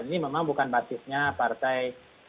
ini memang bukan basisnya partai